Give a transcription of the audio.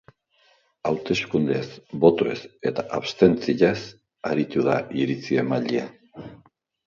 Hauteskundeez, botoez eta abstentziaz aritu da iritzi emailea.